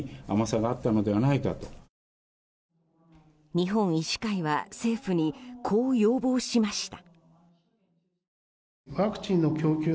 日本医師会は政府にこう要望しました。